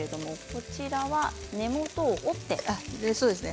こちらは根元を折っていますね。